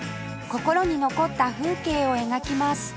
心に残った風景を描きます